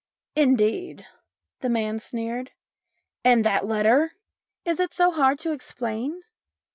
"Indeed?" the man sneered. "And that letter ?" "Is it so hard to explain